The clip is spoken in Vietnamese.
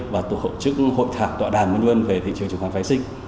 và tổ chức hội thạc tọa đàm v v về thị trường chứng khoán phai sinh